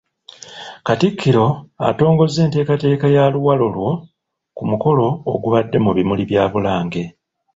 Katikkiro atongozza enteekateeka ya ‘Luwalo lwo’ ku mukolo ogubadde mu bimuli bya Bulange.